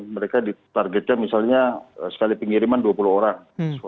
mereka ditargetkan misalnya sekali pengiriman dua puluh orang